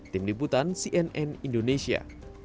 tim liputan cnn indonesia